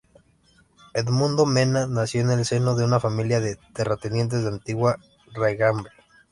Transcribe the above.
Edmundo Mena nació en el seno de una familia de terratenientes, de antigua raigambre.